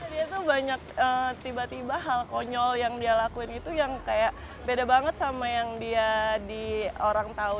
dia tuh banyak tiba tiba hal konyol yang dia lakuin itu yang kayak beda banget sama yang dia di orang tahu